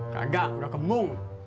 kagak udah ke mung